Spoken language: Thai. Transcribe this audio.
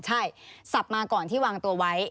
ใช่สับมาก่อนที่วางตัวไว้